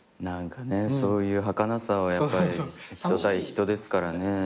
何かねそういうはかなさはやっぱり人対人ですからね。